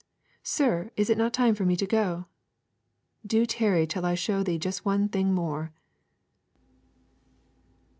'Sir, is it not time for me to go?' 'Do tarry till I show thee just one thing more.'